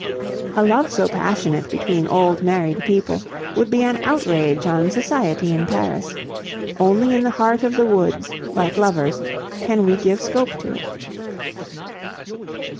A love so passionate between old married people would be an outrage on society in Paris; only in the heart of the woods, like lovers, can we give scope to it.